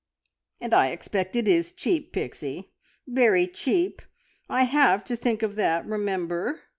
"And I expect it is cheap, Pixie. Very cheap! I have, to think of that, remember!"